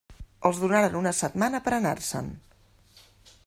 Els donaren una setmana per anar-se’n.